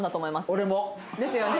俺も！ですよね。